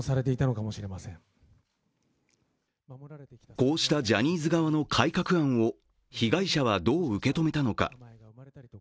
こうしたジャニーズ側の改革案を被害者はどう受け止めたのか。